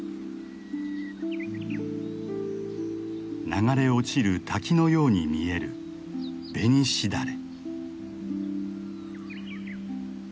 流れ落ちる滝のように見えるベニシダレ。